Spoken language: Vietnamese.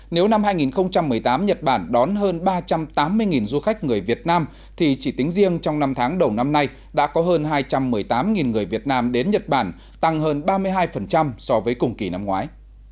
nếu năm hai nghìn một mươi tám nhật bản đón hơn ba trăm tám mươi du khách người việt nam thì chỉ tính riêng trong năm tháng đầu năm nay đã có hơn hai trăm một mươi tám người việt nam đến nhật bản tăng hơn ba mươi hai so với cùng kỳ năm ngoái